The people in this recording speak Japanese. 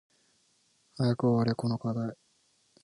早く終われこの課題